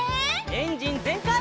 エンジンぜんかい！